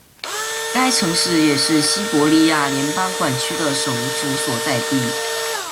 该城市也是西伯利亚联邦管区的首府所在地。